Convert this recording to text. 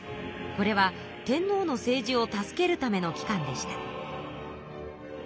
これは天皇の政治を助けるための機関でした。